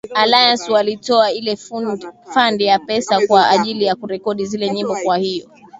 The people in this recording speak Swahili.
alliance walitoa ile fund ile pesa kwa ajili ya kurekodi zile nyimbo kwa hiyo